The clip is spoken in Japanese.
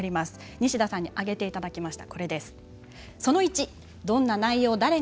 西田さんに挙げていただきました。